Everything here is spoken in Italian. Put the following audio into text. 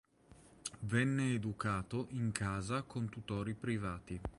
Venne educato in casa con tutori privati.